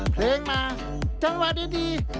เพลงมาจังหวะดี